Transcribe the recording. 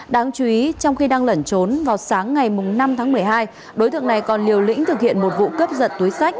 đáng chú ý trong khi đang lẩn trốn vào sáng ngày năm tháng một mươi hai đối tượng này còn liều lĩnh thực hiện một vụ cướp giật túi sách